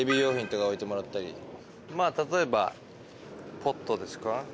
まぁ例えばポットですか。